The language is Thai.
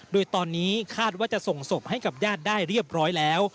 โดยตอนนี้คาดว่าจะส่งศพให้กับญาติได้เรียบร้อยแล้ว